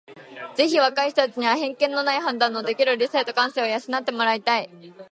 ぜひ若い人たちには偏見のない判断のできる理性と感性を養って貰いたい。